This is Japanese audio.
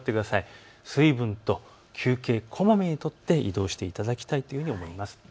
水分と休憩をこまめにとって移動していただきたいというふうに思います。